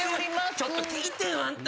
ちょっと聞いてよあんた